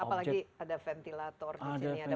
apalagi ada ventilator di sini ada